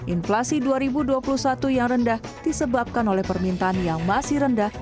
inflasi dua ribu dua puluh satu yang rendah disebabkan oleh permintaan yang masih rendah